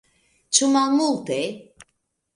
Ĉu malmulte?